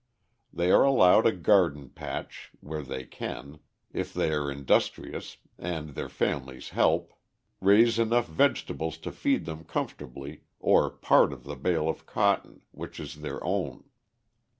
They are allowed a garden patch, where they can, if they are industrious and their families help, raise enough vegetables to feed them comfortably, or part of a bale of cotton, which is their own.